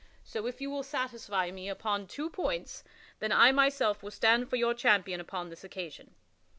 So if you will satisfy me upon two points, then I myself will stand for your champion upon this occasion."